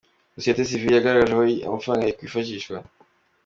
Sosiyete Sivile yagaragaje aho aya mafaranga yakwifashishwa.